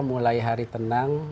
mulai hari tenang